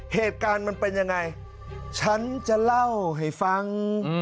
เหตุการณ์มันเป็นยังไงฉันจะเล่าให้ฟัง